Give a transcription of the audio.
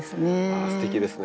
すてきですね。